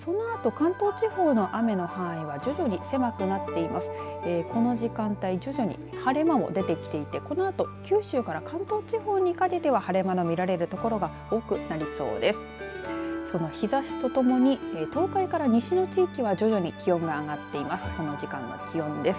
この時間帯徐々に晴れ間も出てきていてこのあと九州から関東地方にかけては、晴れ間の見られる所が多くなりそうです。